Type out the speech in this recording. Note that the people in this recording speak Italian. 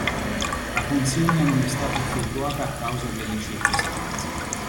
La consegna non è stata effettuata a causa delle circostanze.